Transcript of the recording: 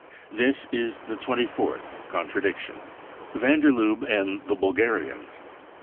This is the twenty fourth contradiction. Van der Lubbe and the Bulgarians.